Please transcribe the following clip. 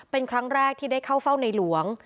เป็นครั้งแรกที่ได้เข้าเฝ้าในหลวง